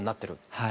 はい。